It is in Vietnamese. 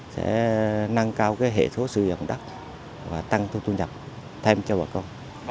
sẽ nâng cao cái hệ thống sử dụng đất và tăng thu nhập thêm cho bà con